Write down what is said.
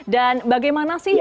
dan bagaimana sih